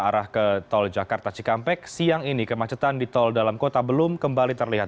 arah ke tol jakarta cikampek siang ini kemacetan di tol dalam kota belum kembali terlihat